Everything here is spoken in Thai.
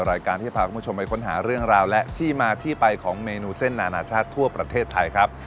รายการที่จะพาคุณผู้ชมไปค้นหาเรื่องราวและที่มาที่ไปของเมนูเส้นนานาชาติทั่วประเทศไทยครับ